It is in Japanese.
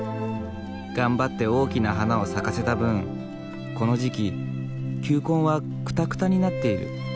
頑張って大きな花を咲かせた分この時期球根はクタクタになっている。